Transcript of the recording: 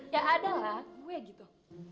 ya ada lah gue gitu